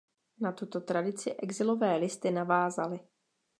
Na tuto tradici exilové Listy navázaly.